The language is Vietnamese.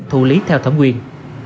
thủ lý theo thẩm quyền